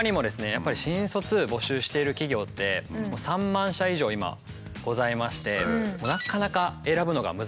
やっぱり新卒募集している企業って３万社以上今ございましてなかなか選ぶのが難しい。